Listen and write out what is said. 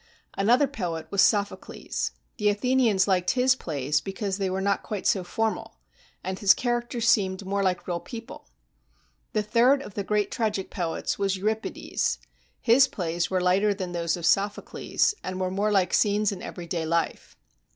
Another poet was Sophocles. The Athenians liked his plays because they were not quite so formal and his characters seemed more like real people. The third of the great tragic poets was Euripides. His plays were lighter than those of Sophocles, and were more like scenes in every day life.